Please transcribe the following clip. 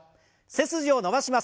背筋を伸ばします。